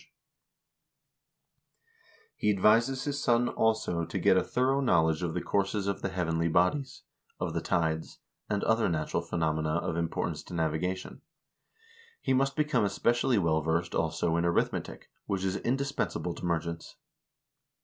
vol. i — 2 a 450 HISTORY OP THE NORWEGIAN PEOPLE He advises his son, also, to get a thorough knowledge of the courses of the heavenly bodies, of the tides, and other natural phenomena of importance to navigation. He must become especially well versed, also, in arithmetic, which is indispensable to merchants.